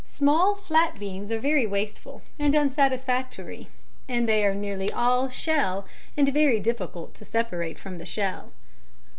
Small flat beans are very wasteful and unsatisfactory; they are nearly all shell and very difficult to separate from the shell.